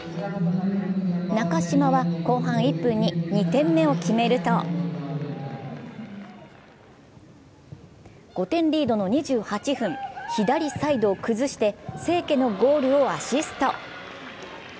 中嶋は後半１分に２点目を決めると５点リードの２８分、左サイドを崩して清家のゴールをアシスト。